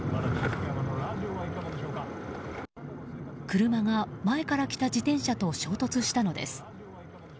車が前から来た自転車と衝突したのです。